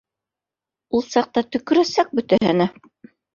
Ул саҡта төкөрәсәк бөтәһенә